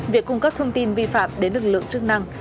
việc cung cấp thông tin vi phạm đến lực lượng chức năng